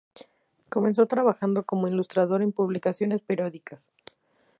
Comenzó trabajando como ilustrador en publicaciones periódicas.